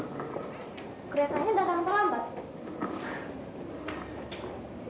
keretanya datang terlambat